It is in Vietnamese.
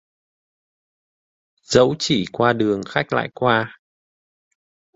Dẫu chỉ qua đường, khách lại qua.